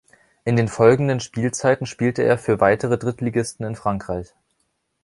In den folgenden Spielzeiten spielte er für weitere Drittligisten in Frankreich.